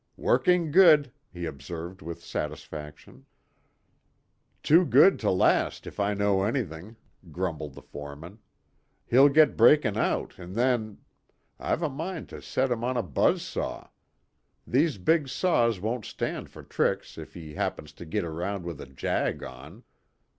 "Working good," he observed with satisfaction. "Too good to last, if I know anything," grumbled the foreman. "He'll get breakin' out, an then I've a mind to set him on a 'buzz saw'. These big saws won't stand for tricks if he happens to git around with a 'jag' on."